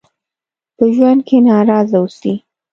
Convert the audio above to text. په ژوند کې ناراضه اوسئ.